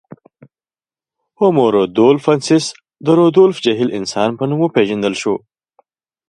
هومو رودولفنسیس د رودولف جهیل انسان په نوم وپېژندل شو.